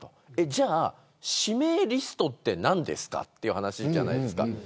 じゃあ指名リストって何ですかという話じゃないですか。